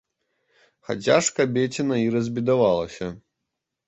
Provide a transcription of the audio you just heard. Хаця ж кабеціна і разбедавалася.